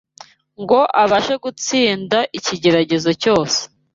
ngo abashe gutsinda ikigeragezo cyose.